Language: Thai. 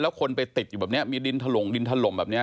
แล้วคนไปติดอยู่แบบนี้มีดินถล่ม